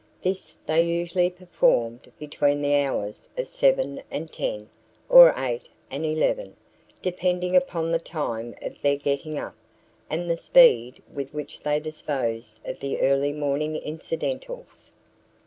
This they usually performed between the hours of 7 and 10 or 8 and 11, depending upon the time of their getting up and the speed with which they disposed of the early morning incidentals.